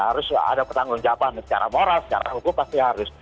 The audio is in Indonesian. harus ada pertanggung jawaban secara moral secara hukum pasti harus